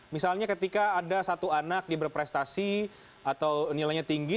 misalnya ketika ada satu anak diberprestasi atau nilainya tinggi